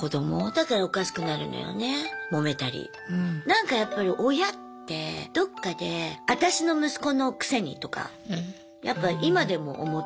もめたりなんかやっぱり親ってどっかで私の息子のくせにとかやっぱ今でも思う。